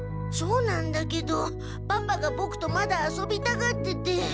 そうなんだけどパパがボクとまだ遊びたがってて。